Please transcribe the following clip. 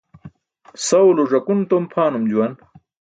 Sawulo ẓakun tom pʰaanum juwan.